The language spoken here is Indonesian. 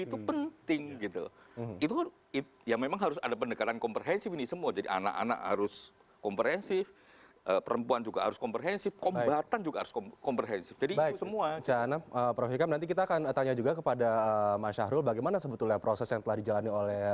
terutama soal pengadilan